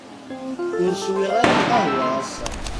Ur swiɣ ara lqahwa ass-a.